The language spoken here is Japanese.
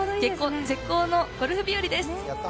絶好のゴルフ日和です。